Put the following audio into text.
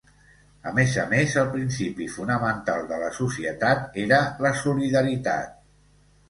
A més a més, el principi fonamental de la societat era la solidaritat.